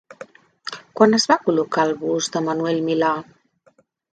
Quan es va col·locar el bust de Manuel Milà?